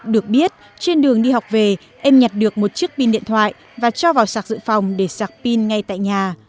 được biết trên đường đi học về em nhặt được một chiếc pin điện thoại và cho vào sạc dự phòng để sạc pin ngay tại nhà